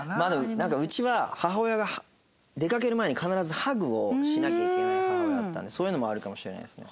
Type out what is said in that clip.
なんかうちは母親が出かける前に必ずハグをしなきゃいけない母親だったのでそういうのもあるかもしれないですね。